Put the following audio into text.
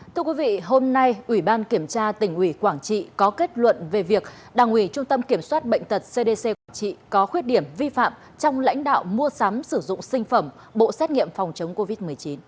thưa quý vị hôm nay ủy ban kiểm tra tỉnh ủy quảng trị có kết luận về việc đảng ủy trung tâm kiểm soát bệnh tật cdc quảng trị có khuyết điểm vi phạm trong lãnh đạo mua sắm sử dụng sinh phẩm bộ xét nghiệm phòng chống covid một mươi chín